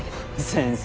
先生